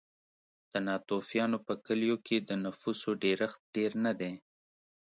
د ناتوفیانو په کلیو کې د نفوسو ډېرښت ډېر نه دی.